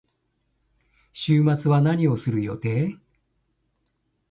週末は何をする予定？